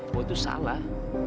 gue itu salah